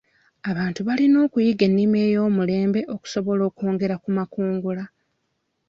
Abantu balina okuyiga ennima ey'omulembe okusobola okwongera ku makungula.